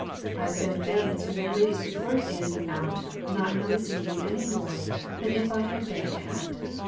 I have been in families where young ladies would flirt in and out, not noticing me any more than if I had been a cat.